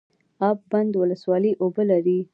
اب بند ولسوالۍ اوبه لري؟